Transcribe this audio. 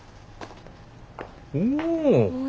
おお。